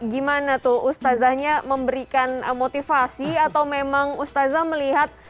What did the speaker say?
gimana tuh ustazahnya memberikan motivasi atau memang ustazah melihat